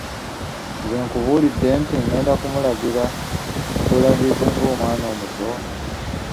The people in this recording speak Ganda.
Nze nkubuulidde nti ng'enda kumulagira bulagizi ng'omwana omuto?